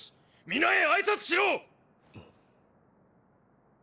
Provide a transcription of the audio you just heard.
皆へ挨拶しろ！！